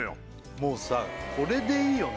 もうさこれでいいよね